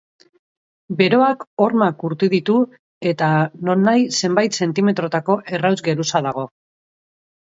Beroak ormak urtu ditu, eta nonahi zenbait zentimetrotako errauts geruza dago.